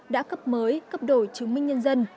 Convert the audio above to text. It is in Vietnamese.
đã cấp mới cấp đổi chứng minh nhân dân